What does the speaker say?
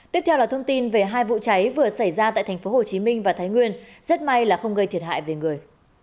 tiếp theo là thông tin về hai vụ cháy vừa xảy ra tại tp hcm và thái nguyên rất may là không gây thiệt hại về người